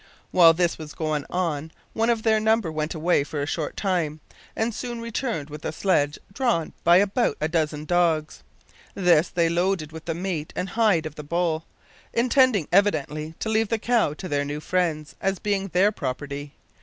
While this was going on one of their number went away for a short time, and soon returned with a sledge drawn by about a dozen dogs. This they loaded with the meat and hide of the bull, intending evidently to leave the cow to their new friends, as being their property.